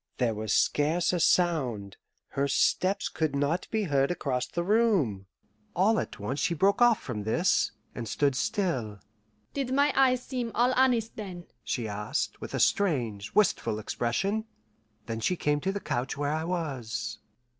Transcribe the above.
There was scarce a sound her steps could not be heard across the room. All at once she broke off from this, and stood still. "Did my eyes seem all honest then?" she asked, with a strange, wistful expression. Then she came to the couch where I was.